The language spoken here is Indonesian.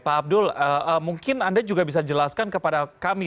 pak abdul mungkin anda juga bisa jelaskan kepada kami